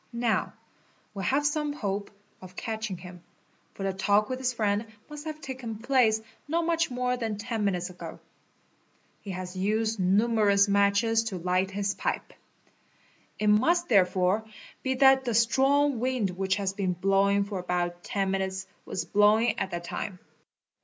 Now, we have som hope of catching him, for the talk with his friend must have taken plael not much more than 10 minutes ago. He has used numerous matches t a * OBSERVATION 487 ' light his pipe. It must therefore be that the strong wind which has been : blowing for about 10 minutes was blowing at that time.